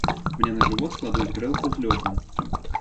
Мне на жывот кладуць грэлку з лёдам.